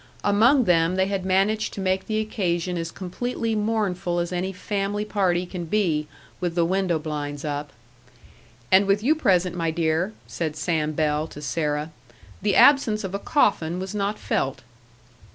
Among them they had managed to make the occasion as completely mournful as any family party can be, with the window blinds up. "And with you present, my dear," said Sam Bell to Sarah, "the absence of a coffin was not felt."